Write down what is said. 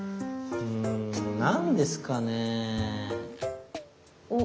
うん何ですかね。